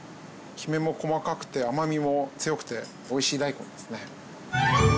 キメも細かくて甘みも強くて美味しい大根ですね。